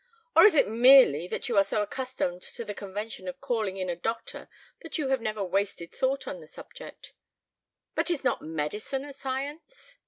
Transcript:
"Or is it merely that you are so accustomed to the convention of calling in a doctor that you have never wasted thought on the subject? But is not medicine a science?